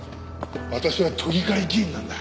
私は都議会議員なんだ。